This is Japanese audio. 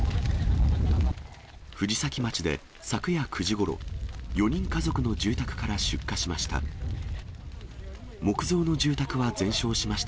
藤崎町で昨夜９時ごろ、４人家族の住宅から出火しました。